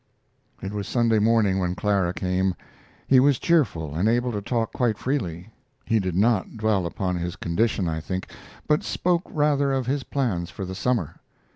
It was Sunday morning when Clara came. He was cheerful and able to talk quite freely. He did not dwell upon his condition, I think, but spoke rather of his plans for the summer.